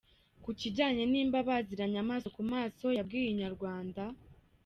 Ku kijyanye niba baziranye amaso ku maso yabwiye Inyarwanda.